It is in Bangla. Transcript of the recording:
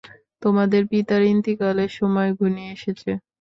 তোমাদের পিতার ইন্তিকালের সময় ঘনিয়ে এসেছে।